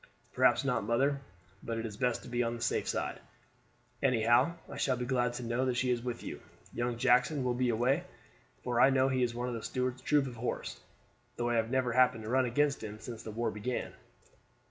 "Perhaps not, mother; but it is best to be on the safe side. Anyhow, I shall be glad to know that she is with you. Young Jackson will be away, for I know he is in one of Stuart's troops of horse, though I have never happened to run against him since the war began."